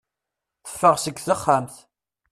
Teffeɣ seg texxamt.